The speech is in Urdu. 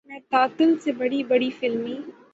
میں تعطل سے بڑی بڑی فلمی